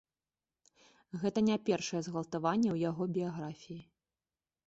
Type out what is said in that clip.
Гэта не першае згвалтаванне ў яго біяграфіі.